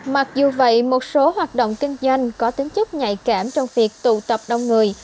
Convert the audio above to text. mặc dù vậy một số hoạt động kinh doanh có tính chúc nhạy cảm trong việc tụ tập đông người